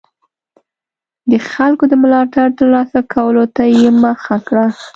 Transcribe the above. د خلکو د ملاتړ ترلاسه کولو ته یې مخه کړه.